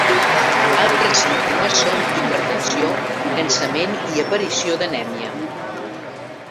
Altres símptomes són hipertensió, cansament i aparició d'anèmia.